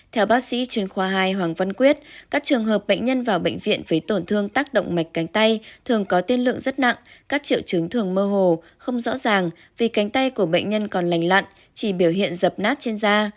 theo bác sĩ chuyên khoa hai hoàng văn quyết các trường hợp bệnh nhân vào bệnh viện với tổn thương tác động mạch cánh tay thường có tiên lượng rất nặng các triệu chứng thường mơ hồ không rõ ràng vì cánh tay của bệnh nhân còn lành lặn chỉ biểu hiện dập nát trên da